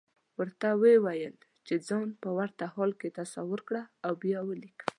ورته وويل چې ځان په ورته حال کې تصور کړه او بيا وليکه.